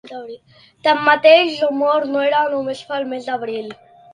Tanmateix, l'humor no era només pel mes d'Abril.